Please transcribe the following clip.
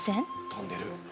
とんでる。